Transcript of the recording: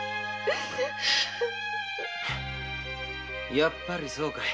やっぱりそうかい。